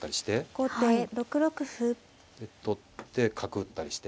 後手６六歩。で取って角打ったりして。